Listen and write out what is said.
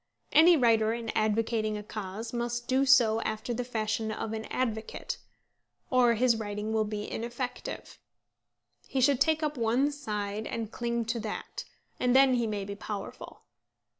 Any writer in advocating a cause must do so after the fashion of an advocate, or his writing will be ineffective. He should take up one side and cling to that, and then he may be powerful.